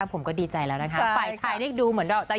แล้วก็รอวันเเกิดเนาะ